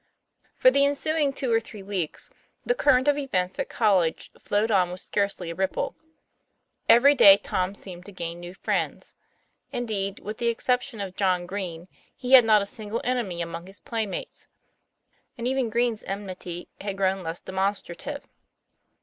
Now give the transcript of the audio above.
FOR the ensuing two or three weeks the current of events at college flowed on with scarcely a ripple. Every day Tom seemed to gain new friends. Indeed, with the exception of John Green, he had not a single enemy among his playmates; and even Green's enmity had grown less demonstrative.